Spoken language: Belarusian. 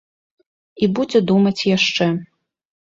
І будзе думаць яшчэ.